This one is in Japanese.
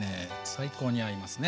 最高に合いますね。